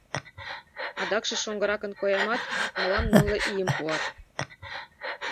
Адакше шоҥгыракын коямат, мылам нылле ийым пуат.